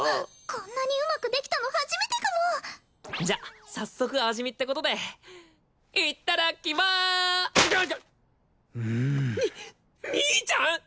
こんなにうまくできたの初めてかもじゃ早速味見ってことでいっただっきまにっ兄ちゃん！？